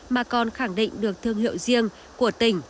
mà còn khẳng định được thương hiệu riêng của tỉnh